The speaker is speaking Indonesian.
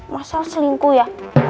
masal selingkuh ya